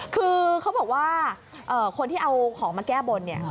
คือเขาบอกว่าคนที่เอาของมาแก้บนเนี่ย